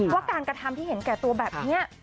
ว่าการกระทำที่เห็นแก่ตัวแบบนี้